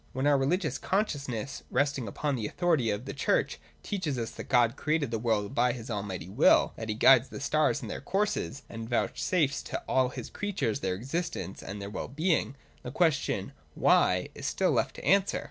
When our religious consciousness, resting upon the authority of the Church, teaches us that God created the world by his almighty will, that he guides the stars in their courses, and vouchsafes to all his creatures their existence and their well being, the question Why ? is still left to answer.